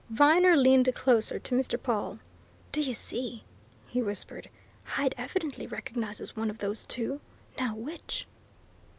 Viner leaned closer to Mr. Pawle. "Do you see?" he whispered. "Hyde evidently recognizes one of those two! Now which?"